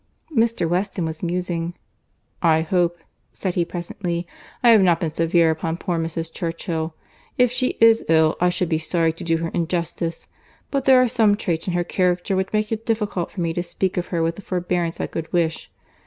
Mr. Weston was musing. "I hope," said he presently, "I have not been severe upon poor Mrs. Churchill. If she is ill I should be sorry to do her injustice; but there are some traits in her character which make it difficult for me to speak of her with the forbearance I could wish.